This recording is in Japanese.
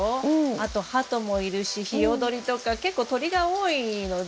あとハトもいるしヒヨドリとか結構鳥が多いので。